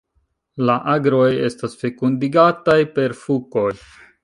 La agroj estas fekundigataj per fukoj.